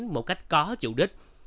một cách có chủ đích